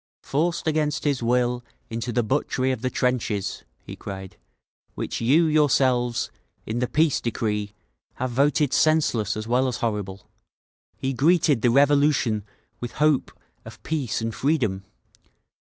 "Forced against his will into the butchery of the trenches," he cried, "which you yourselves, in the Peace decree, have voted senseless as well as horrible, he greeted the Revolution with hope of peace and freedom.